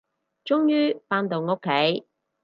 終於，返到屋企